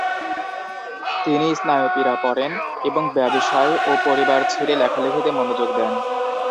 তিনি স্নায়ুপীড়া পড়েন এবং ব্যবসায় ও পরিবার ছেড়ে লেখালেখিতে মনোযোগ দেন।